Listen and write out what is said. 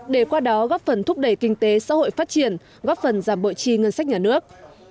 để qua đó góp phần thúc đẩy kinh tế xã hội phát triển góp phần giảm bội trì ngân sách nhà nước